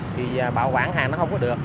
thì bảo quản hàng nó không có được